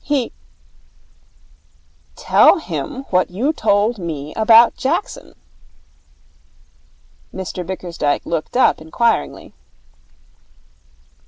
He ' 'Tell him what you told me about Jackson.' Mr Bickersdyke looked up inquiringly.